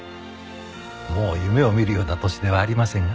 もう夢を見るような年ではありませんが。